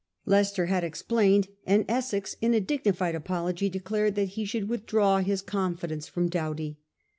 Leicester had explained, and Essex in a dignified apology declared that he should withdraw his confidence from Doughty.